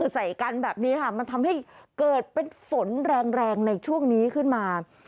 ใส่กันแบบนี้ค่ะมันทำให้เกิดเป็นฝนแรงในช่วงนี้ขึ้นมา